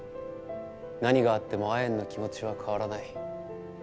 何があってもアエンの気持ちは変わらない。